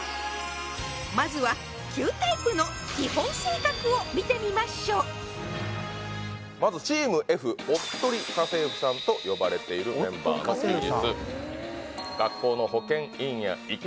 まずは９タイプのまずチームＦおっとり家政婦さんと呼ばれているメンバーの休日